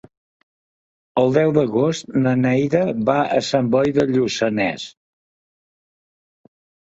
El deu d'agost na Neida va a Sant Boi de Lluçanès.